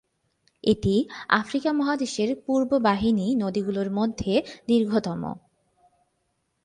এটি আফ্রিকা মহাদেশের পূর্ব বাহিনী নদী গুলির মধ্যে দীর্ঘতম।